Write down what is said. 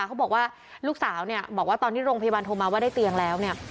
เขาบอกว่าลูกสาวเนี่ยบอกว่าตอนที่โรงพยาบาลโทรมาว่าได้เตียงแล้วเนี่ย